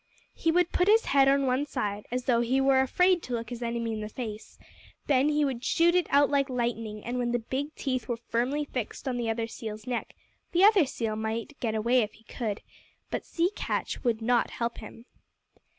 He would put his head on one side, as though he were afraid to look his enemy in the face; then he would shoot it out like lightning, and when the big teeth were firmly fixed on the other seal's neck, the other seal might get away if he could, but Sea Catch would not help him.